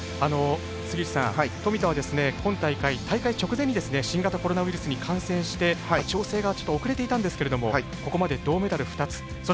杉内さん、富田は今大会、大会直前に新型コロナウイルスに感染して調整が遅れていたんですけれどもここまで銅メダル２つ。